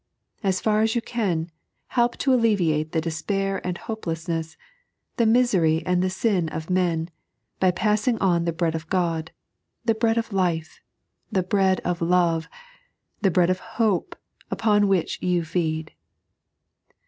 As fiu* as you can, help to alleviate the despair and hopelessness, the misery and the sin of men, by passing on the Bread of God, the Bread of Life, the Bread of Love, the Bread of Hope, upon which you feed.